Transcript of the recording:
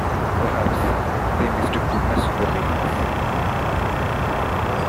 Perhaps they mistook goodness for weakness.